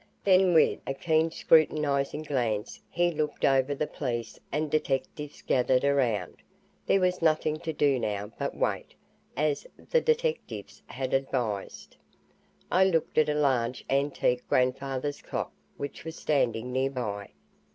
Then with a keen scrutinizing glance he looked over the police and detectives gathered around. There was nothing to do now but wait, as the detectives had advised. I looked at a large antique grandfather's clock which was standing nearby.